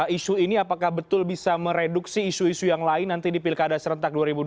isu ini apakah betul bisa mereduksi isu isu yang lain nanti di pilkada serentak dua ribu dua puluh